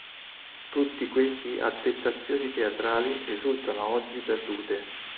Tutti questi attestazioni teatrali risultano oggi perdute.